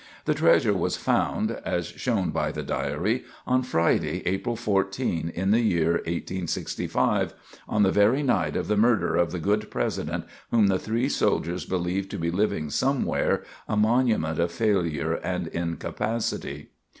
The treasure was found, as shown by the diary, on Friday, April 14, in the year 1865, on the very night of the murder of the good President whom the three soldiers believed to be living somewhere, a monument of failure and incapacity.